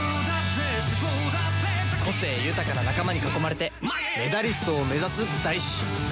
個性豊かな仲間に囲まれてメダリストを目指す大志。